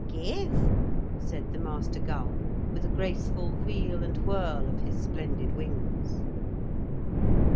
'Give,' said the master gull, with a graceful wheel and whirl of his splendid wings.